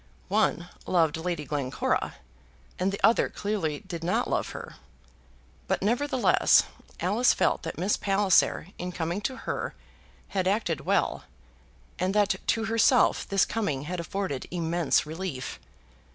One loved Lady Glencora, and the other clearly did not love her. But, nevertheless, Alice felt that Miss Palliser, in coming to her, had acted well, and that to herself this coming had afforded immense relief.